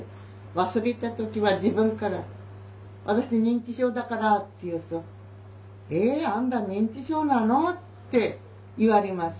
忘れた時は自分から「私認知症だから」って言うと「え？あんた認知症なの？」って言われます。